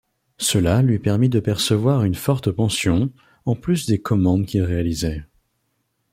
Cela lui permit de percevoir une forte pension, en plus des commandes qu'il réalisait.